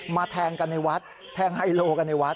แทงกันในวัดแทงไฮโลกันในวัด